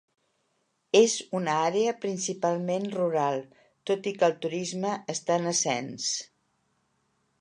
És una àrea principalment rural, tot i que el turisme està en ascens.